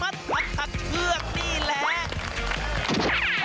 มัดผักเคือกนี่แหละ